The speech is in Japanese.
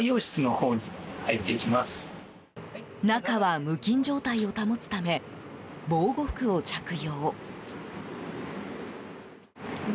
中は無菌状態を保つため防護服を着用。